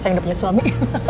sayang udah punya suami